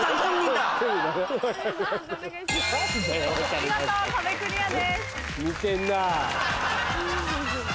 見事壁クリアです。